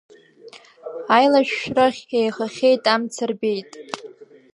Аилашәшәрахь еихахьеит, амца рбеит.